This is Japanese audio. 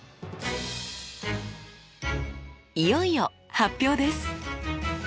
いよいよ発表です。